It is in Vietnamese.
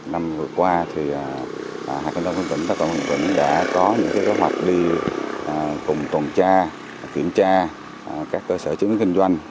năm vừa qua thì hạ kiểm lâm hương vĩnh đã có những cái kế hoạch đi cùng tuần tra kiểm tra các cơ sở chứng minh kinh doanh